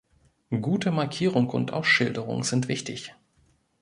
Gute Markierung und Ausschilderung sind wichtig.